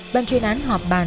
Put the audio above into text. bàn truyền án họp bàn